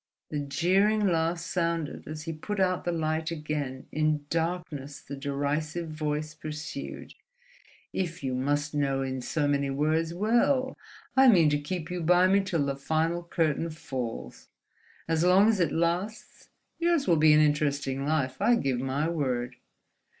The jeering laugh sounded as he put out the light again, in darkness the derisive voice pursued: "If you must know in so many words—well, I mean to keep you by me till the final curtain falls. As long as it lasts, yours will be an interesting life—I give my word."